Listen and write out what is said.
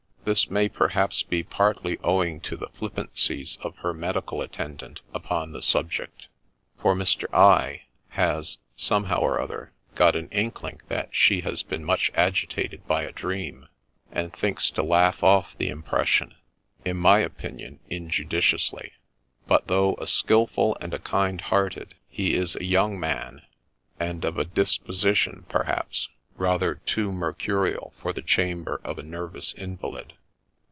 This may, perhaps, be partly owing to the flippancies of her medical attendant upon the subject, for Mr. I has, somehow or other, got an inkling that she has been much agitated by a dream, and thinks to laugh off the impression — in my opinion injudiciously ; but though a skilful and a kind hearted, he is a young man, and of a THE LATE HENRY HARRIS, D.D. 126 disposition, perhaps, rather too mercurial for the chamber of a nervous invalid.